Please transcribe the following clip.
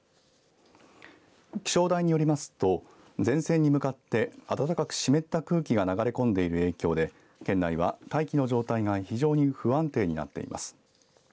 気象台によりますと前線に向かって暖かく湿った空気が流れ込んでいる影響で県内は大気の状態が非常に不安定になっています。